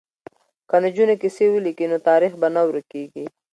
که نجونې کیسې ولیکي نو تاریخ به نه ورکيږي.